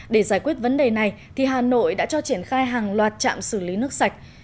để giải quyết vấn đề này hà nội đã cho triển khai hàng loạt chạm xử lý nước sạch